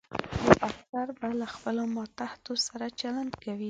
یو افسر به له خپلو ماتحتو سره چلند کوي.